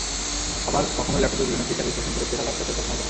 আবার কখনও ল্যাপটপের বিভিন্ন ফিচার বিশ্লেষণ করে সেরা ল্যাপটপের তকমাও দেন।